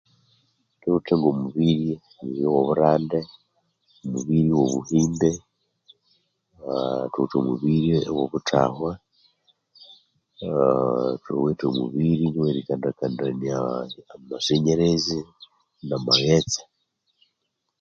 Thuwithe omubiri oyo ghoburande omubiri ghobuhimbe ah thuwithe omubiri oghobuthahwa ah thuwithe omubiri owe rikandakandania amasenyerezi na maghetse